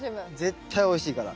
絶対おいしいから。